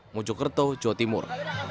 mujuk kertuh jawa timur